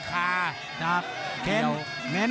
ภูตวรรณสิทธิ์บุญมีน้ำเงิน